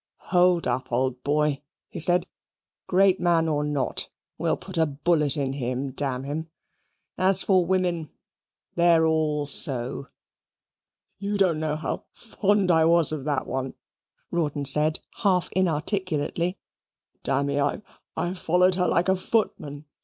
"Hold up, old boy," he said; "great man or not, we'll put a bullet in him, damn him. As for women, they're all so." "You don't know how fond I was of that one," Rawdon said, half inarticulately. "Damme, I followed her like a footman.